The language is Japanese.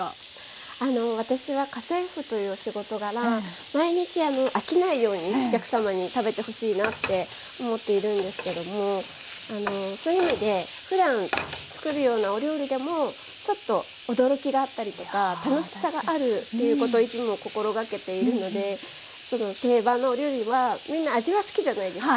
私は家政婦というお仕事柄毎日飽きないようにお客様に食べてほしいなって思っているんですけどもそういう意味でふだん作るようなお料理でもちょっと驚きがあったりとか楽しさがあるっていうことをいつも心がけているのでその定番のお料理はみんな味は好きじゃないですか。